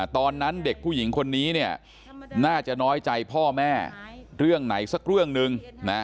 ตอนนั้นเด็กผู้หญิงคนนี้น่าจะน้อยใจพ่อแม่เรื่องไหนสักเรื่องหนึ่ง